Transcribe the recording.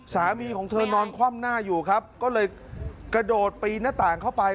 สามีของเธอนอนคว่ำหน้าอยู่ครับก็เลยกระโดดปีนหน้าต่างเข้าไป